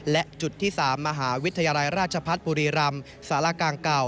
และจุดที่๓มหาวิทยาลัยราชพัฒน์บุรีรำสารกลางเก่า